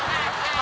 あ